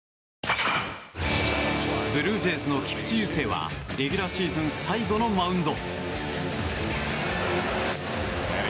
ブルージェイズの菊池雄星はレギュラーシーズン最後のマウンド。